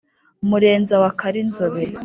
murenza wa karinzobe